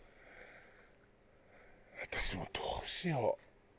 私もどうしよう？